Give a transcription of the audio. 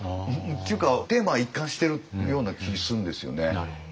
っていうかテーマが一貫しているような気するんですよね。